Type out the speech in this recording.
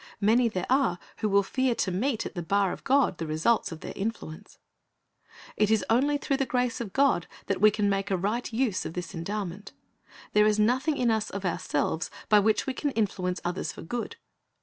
Many there are who will fear to meet at the bar of God the results of their influence. It is only through the grace of God that we can make a right use of this endowment. There is nothing in us of ourselves by which we can influence others for good.